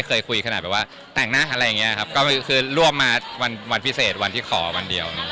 เพราะว่ามันระยะเวลาที่เราพบกัน